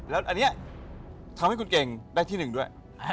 แล้วอันนี้ทำให้คุณเก่งได้ที่หนึ่งด้วย